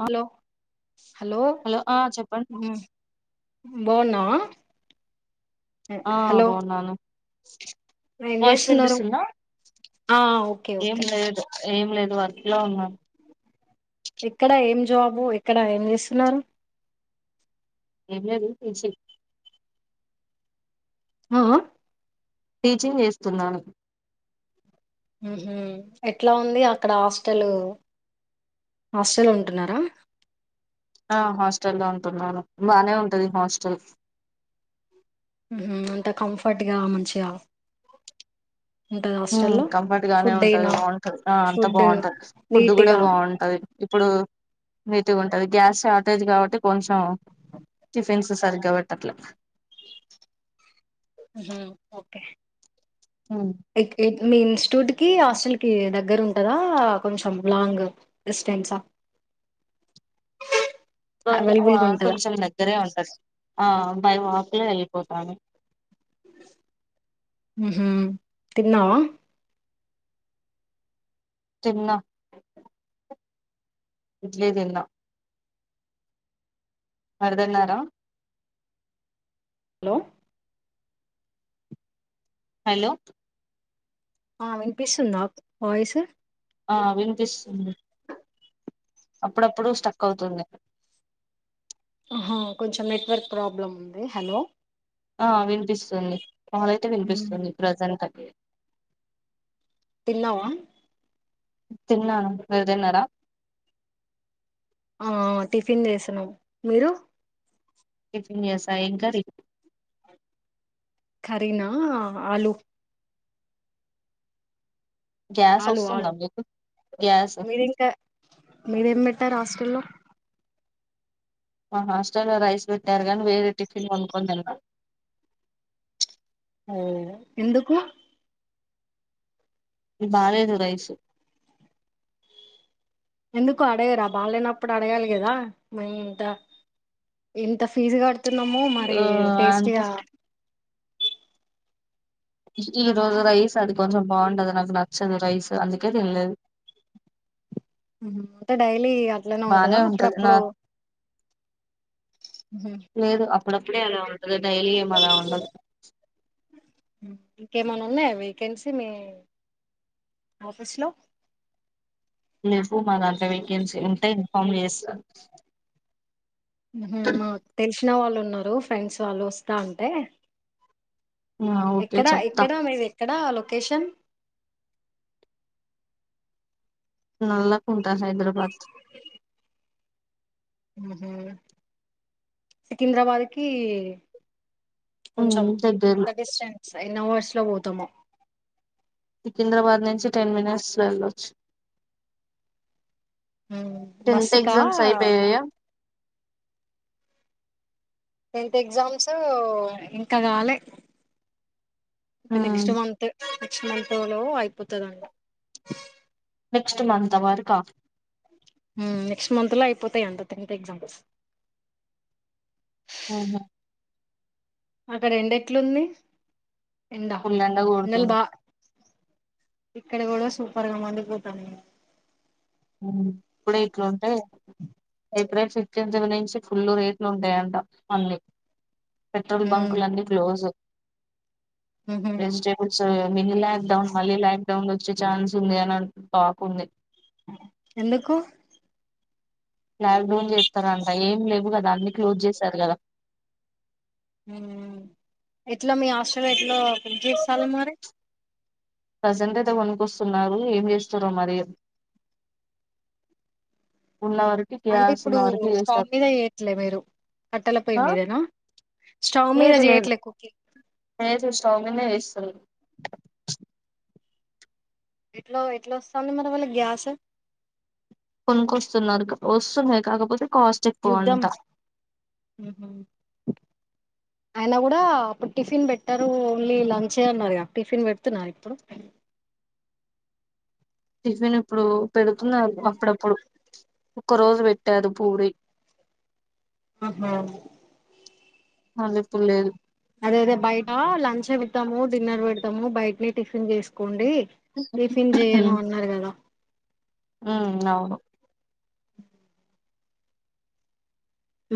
ఆ hello hello ఆ చెప్పండి హు బాగున్నావా ఆ ఆ బాగున్నాను ఏం వాయిస్ చేస్తున్నారు వినిపిస్తుందా ఆ ఓకే ఏం ఓకే లేదు ఏం లేదు వర్క్ లో ఉన్నా ఇక్కడ ఏం జాబ్ ఎక్కడ ఏం చేస్తున్నారు ఏమ్ జాబ్ అ ఆ టీచింగ్ చేస్తున్నాను హుహు ఎట్లా ఉంది అక్కడ హాస్టలు హాస్టల్లో ఉంటున్నారా ఆ హాస్టల్ల్ లో ఉంటున్నాను బానే ఉంటది హాస్టల్ హుహు అంత కంఫర్ట్గా మంచిగా ఉంటది హాస్టల్లో కంఫర్ట్ గానే ఫుడ్ ఉంటది అయినా బాగుంటది అంత ఫుడ్ బాగుంటది ఫుడ్ కూడా నీట్గా బాగుంటది ఇప్పుడు నీటిగా ఉంటది గ్యాస్ షార్టేజ్ కాబట్టి కొంచెం టిఫిన్స్ సరిగ్గా పెట్టట్లే హుహు ఓకే ఉమ్. ఎగ్ ఎత్ మీ ఇన్స్టిట్యూట్ కి హాస్టల్ కి దగ్గర ఉంటదా కొంచెం లాంగ్ డిస్టెన్స్ హ కొ అవైలబుల్ ఆ గా ఉంటదా కొంచెం దగ్గరే ఉంటది ఆ బై వాక్ ఏ వెళ్ళిపోతాను హుహు తిన్నావా తిన్నా ఇడ్లీ తిన్న మీరు తిన్నారా హలో హలో ఆ వినిపిస్తుందా వాయిస్ ఆ వినిపిస్తుంది అప్పుడప్పుడు స్టక్ అవుతుంది హ కొంచెం నెట్వర్క్ ప్రాబ్లమ్ ఉంది హలో ఆ వినిపిస్తుంది నాదైతే మ్మ్ వినిపిస్తుంది ప్రజెంట్ తిన్నావా తిన్నాను మీరు తిన్నారా ఆ టిఫిన్ వేసినం మీరు టిఫిన్ చేసా ఏం కర్రీ కరీనా ఆలు గ్యాస్ ఆలు వస్తుందా ఆలు మీకు గ్యాస్ మీరు ఇంకా మీరేం పెట్టారు హాస్టల్లో మా హాస్టల్లో లో రైస్ పెట్టారు గాని వేరే టిఫిన్ కొనుక్కొని తిన్న ఓ ఎందుకు ఈ బాలేదు రైసు ఎందుకు అడగరా బాగాలేనప్పుడు అడగాలిి కదా మ ఇంత ఇంత ఫీజు కడుతున్నాము మరి ఆ అంటే టేస్టీగా ఈ రోజు రైస్ అది కొంచెం బాగుండదు నాకు నచ్చదు రైస్ అందుకే తినలేదు [inaudible] అంటే డైలీ అట్లనే బానే ఉంటందా ఉంటది నా అప్పుడప్పుడు ఉహు, లేదు అప్పుడప్పుడే అలా ఉండది డైలీ ఏం అలా ఉండదు ఇంకేమనా ఉన్నాయా వేకెన్సీ మీ ఆఫస్ లో లేవు మా దాంట్లో వేకెన్సీ ఉంటే ఇన్ఫార్మ్ చేస్తా తెలిసిన వాళ్ళు ఉన్నారు ఫ్రెండ్స్ వాళ్ళు వస్తా అంటే ఆ ఓకే ఎక్కడా చెప్తా ఎక్కడా మీది ఎక్కడా లొకేషన్ నల్ల కుంటా హైదరాబాద్ సికింద్రాబాద్ కి కొంచెం ఉమ్ దగ్గరలో ఎంత డిస్టెన్స్ ఎన్ని అవర్స్ లో పోతామో సికింద్రాబాద్ నుంచి టెన్ మినిట్స్ వెళ్ళొచ్చు టెన్త్ బస్సు కా ఎగ్జామ్స్ అయిపోయాయా టెన్త్ ఎగ్జామ్స్ ఇంకా కాలే ఇంకా ఉమ్ నెక్స్ట్ మంత్ నెక్స్ట్ మంత్ లో అయిపోతుందంట నెక్స్ట్ మంత్ వరకా నెక్స్ట్ మంత్ లో అయిపోతాయి అంట టెన్త్ ఎగ్జామ్స్ ఆహా అక్కడ ఎండ ఎట్లుంది ఎండ ఫుల్ ఎండలు కొడుతుంది బా ఇక్కడ కూడా సూపర్గా మందిపోతాము ఇప్పుడే ఇట్లా ఉంటే ఏప్రిల్ ఫిఫ్టీన్ నుంచి ఫుల్ రేట్లు ఉంటాయంట మన్లీ పెట్రోల్ బంకులున్నీ క్లోజ్ ఉహు వెజిటబల్స్ మనిలా ౌన్ మలీ ౌ వచ్చే ఛాన్స్ ఉంది అని టాక్ ఉంది ఎందుకు లాక్ డౌన్ చేస్తారంట ఏం లేవు కదా అన్ని క్లోజ్ చేసారు కదా ఎట్లా మీ హాస్టల్లో ఎట్లో పని చేస్తాల మరి ప్రజెంట్ అయితే కొనుక్కొస్తున్నారు ఏం చేస్తుారో మరి [inaudible] అంటే చేయాల్సిన ఇప్పుడు వరకి స్టాప్ చేశారు మీద వయట్లే మీరు కట్టల పొయ్యి ఆ మీదేనా స్టవ మీద చేయట్లే ఎక్కువకి ఏ స్టంగ్నే వ ఎట్లో ఎట్లా వస్తాంది మరి వాళ్ళ గ్యాస్ కొనుకొస్తున్నారు వస్తున్నాయి కాకపోతే కోస్టక్ యుద్ధం పోందా ఆయన కూడా అప్పుడు టిఫిన్ పెట్టారు ఓన్లీ లంచే అన్నారు టిఫిన్ పెడుతున్నారు ఇప్పుడు టిఫిన్ ఇప్పుడు పెడుతున్నారు అప్పుడప్పుడు ఒక రోజు పెట్టారు పూరి ఆహా అప్పు లేదు అదే అద బయట లంచ్ విడతాము డిన్నర్ పెడతాము బయట ని టిఫిన్ చేసుకోండి టిఫిన్ చెయను అన్నారు కదా ఉ అవును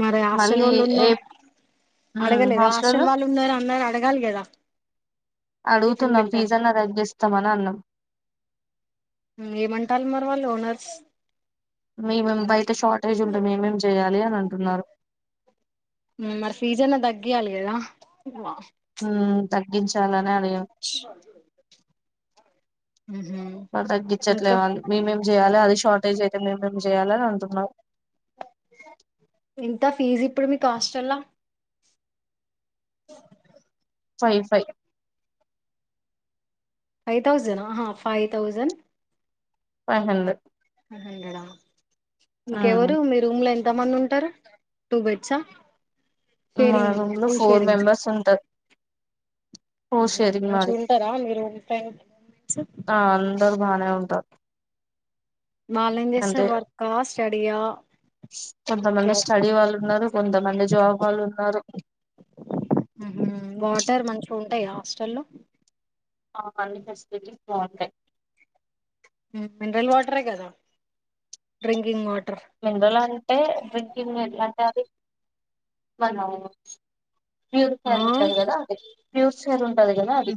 మరి హాస్టల్ మళ్ళీ వాళ్ళు ఏ ఉన్నారు అడగలేదు హాస్టల్ హాస్టల్లో వాళ్ళు ఉన్నారు అన్నారు కల్ గద అడుగుతున్నాం పిజాని తగ్గిస్తామ అని అన్నాం ఏమంటారుి మరి వాళ్ళు ఓనర్స్ మేమేం బయట షార్టేజ్ ఉంటే మేమేం చెయ్యాలి అని అంటున్నారు మరి ఫీజ అన్నా తగ్గియాలి కదా హ తగ్గించాలని ఉహు మళ్ళీ తగ్గించట్లే ఇంకా వాాలి మేమేం చేయాలి అది షార్టేజ్ అయితే మేము మం చెయాలని అంటున్నారు ఇంత ఫీజ్ ఇప్పుడు మీ కాస్ట్ల్లా ఫైన్ ఫైన్్ ఫైవ్ తౌజండ్ ఆ five thousand five hundred hundred ఉమ్ ఇంకెవరు మీ రూమ్ లో పెద్దమంది ఉంటారు టూ బెడ్సా మా షేరింగ్ రూమ్ లో టూ షేరింగ్ ఓ ఉహు శరి మరి మంచిగా ఉంటారా మీ రూమ్ ఫ్రెండ్స్ ఆ అందరు బానే అంట వాళ్ళ ఏం చేస్తారు వర్కా స్టడీయా కొంతమంది జాబ్ స్టడీ వాళ్ళు ఉన్నారు కొంతమంది జాబ్ వాళ్ళు ఉన్నారు వాటర్ మంచిగా ఉంటాయి హాస్టల్ల్లో అన్ని ఫెసిలిటీస్ బాగుంటాయి మినరల్ వాటర్ కదా డ్రింకింగ్ వాట మిందులు అంటే డ్రింకింగ్ ఎట్లాంటే అది మనావు వ్యూర్ ఆ ఉంటంది కదా అది వ్యూసర్ ఉంటది కదా అది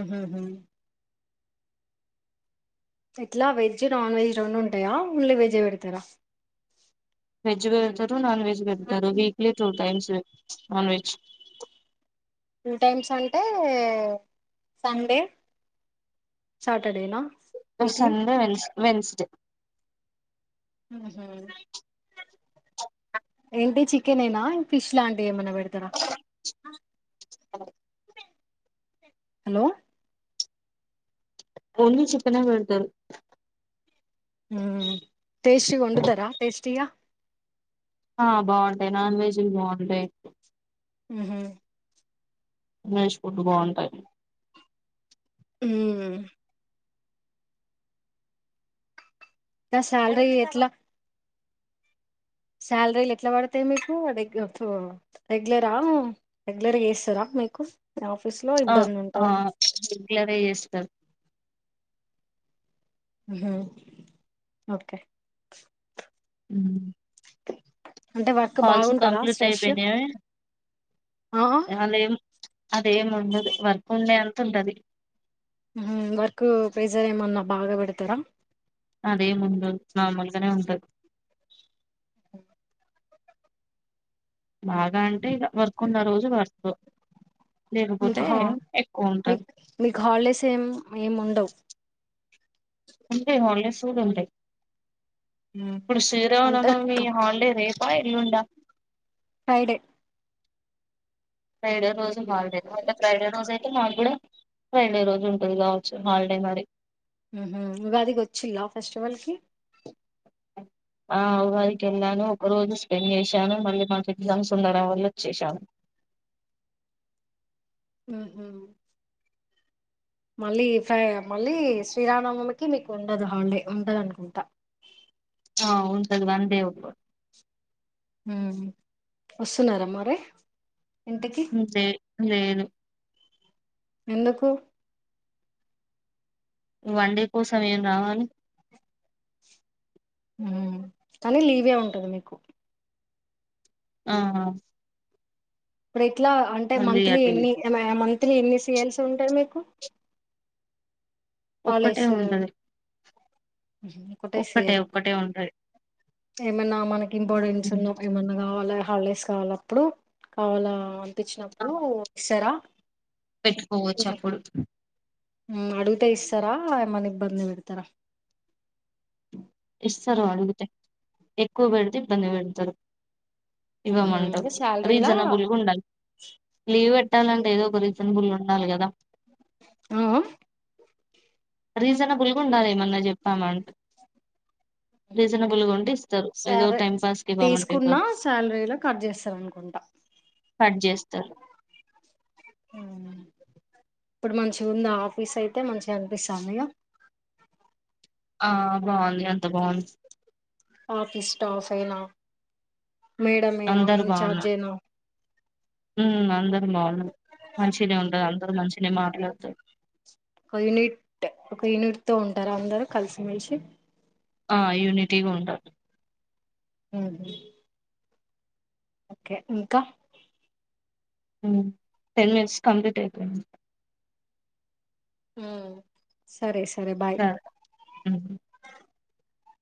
ఆహ ఇట్లా వెజ్ నాన్ వెజ్ రెండు ఉంటాయా ఓన్లీ వెజే పెడతారా వెజ్ వెడతారు నాన్ వెజ్ పెతారు weekly two times non veg two times అంటే సండే సాటర్డేనా ఇ వీక్లీ సండే వెన్స్ వెన్స్డే ఆహా ఏంటి చికెన్ ఏనా ఫిష్ లాంటివి ఏమనా పెడతారా అవు హలో ఒన్వి చెప్పనే వెడుతరు హ టేస్టి ఉండదరా టేస్టీగా ఆ బాగుంటాయి నాన్ వెజ్ బాగుంటాయి ఆ నష్ ఫుట్ బన్ంటా హ నా సాలరీ ఎట్లా శాలరీలు ఎట్లా పడతాయి మీకు రెగ్యులరా రెగ్యులర్గా చేస్తారా మీకు మీ ఆఫీస్ లో ఆ ఇబ్బంది ఆ ఉంటందా రెగ్యులర్ గా చేస్తారు ఓకే ఉ ఓ అంటే వర్క్ బాగుంటదా కంప్లీట్ స్ట్రెస్ అయిపోయినాయి ఆ అదే ఉండదు వర్కు ఉండే అంతంటది వర్క్ ప్రెజర్ ఏమన్నా బాగా పెడతారా అదే ముందు నార్మల్గనే ఉంది బాగా అంటే ఇ వర్క్ ఉండ ఆ రోజు వర్త్ మీకు హ మీ మీకు హాలిడేస్ ఏం ఏం ఉండవు చూడ్రి ఇప్పుడు అంటే శ్రీరవునమ్మా మీ హాలిడే రేపా ఎల్లుండా ఫ్రైడే ఫ్రైడే రోజు మాాలడే అే ఫ్రైడే రోజు అయితే మాకు కూడా రెండే రోజు ఉంటుంది కావచ్చు హాలిడే మరి హ ఇదికి వచ్చిలా ఫెస్టివాల్ కి అ ఆ వారికి వెళ్ళాను ఒక రోజు స్పెండ్ చేసాను మళ్ళీ మాకు ఎగ్జామ్ సుందరం వల్ల వచ్చసాను ఆ మళ్ళీ ఫ మళ్ళీ శ్రీరానవమికి మీకు ఉండదు హాల్డీ ఉండదు అనుకుంటా ఆ ఉసది వందే ఒ వస్తున్నారామ్ మరి ఇంటికి లే లేదు ఎందుకు వన్డే కోసం ఏం రాహుల్ కానీ లీవే ఉంటది మీకు ఆ ఇప్పుడు ఇట్లా అంటే మళ్ళీ మంత్లీ అటు ఎన్ని మంత్లీ ఎన్ని సేల్స్ ఉంటాయి మీకు ఒక్కటే హాలిడేస్ ఉండదు ఒకటే సేల్ ఒక్కటే ఉంటది ఏమన్నా మనకి ఇంపార్టెన్స్ ఉన్నా ఏమన్నా కావాల హాలిడేస్ కావాలప్పుడు కావాల ఆ అనిపించినప్పుడు ఇస్తారా పెట్టుకోవచ్చు అప్పుడు అడుగుతే ఇస్తారా మనిబ్బంది విడతార ఇస్తారు అడిగితే ఎక్కువ పెడితే ఇబ్బంది పెడతారు ఉహు, ఇంకా ఇవ్వమంటారు శాలరీలా రీజనబుల్ గుండాలి లీవ్ పెట్టాలంటే ఏదో ఒక రీజనబుల్ ఉండాలి కదా ఆ రీజనబుల్గాండాలేమన్నా చెప్పామంట రీజనబుల్గా ఉంటే ఇస్తారు ఏదో సరే టైం పాస్కి బామంటే తీసుకున్న సారు శాలరీలో కట్ చేస్తారు అనుకుంటా కట్ చేస్తారు ఉమ్, ఇప్పుడు మంచి ఉంది ఆఫీస్ అయితే మంచిగా కనిపిస్తా మ్యో ఆ బాగుంది అంత బాగుంది ఆఫీస్ స్టాఫ్ అయినా మేడం అయినా మీ ఇన్ చార్జ్ అయినా ఉ అందరం బగు మనుషనే ఉండ అందర మనుషనే మారలేదు ఒక యూనిట్ ఒక యూనిట్ తో ఉంటారు అందరు కలిసిమెలిసి ఆ యునిటీగా ఉండ ఉమ్ ఓకే ఇంకా టెన్ మనిట్స్ కంప్లీట్ అయిపో ఉమ్ సరే స సరే ఉమ్